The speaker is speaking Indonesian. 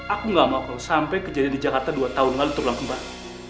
aku gak mau kalau sampai kejadian di jakarta dua tahun lalu terulang kembali